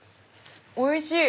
おいしい！